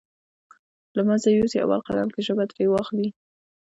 له منځه يوسې اول قدم کې ژبه ترې واخلئ.